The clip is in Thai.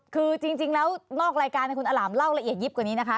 คือจริงแล้วนอกรายการคุณอล่ามเล่าละเอียดยิบกว่านี้นะคะ